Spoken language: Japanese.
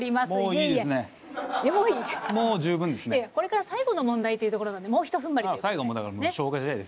いやいやこれから最後の問題というところなんでもうひとふんばりということで。